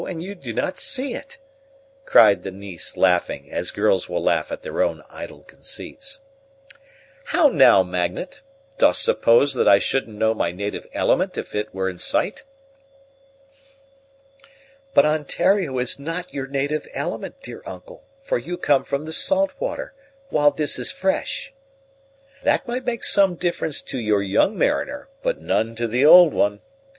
and you do not see it," cried the niece, laughing, as girls will laugh at their own idle conceits. "How now, Magnet! dost suppose that I shouldn't know my native element if it were in sight?" "But Ontario is not your native element, dear uncle; for you come from the salt water, while this is fresh." "That might make some difference to your young mariner, but none to the old one.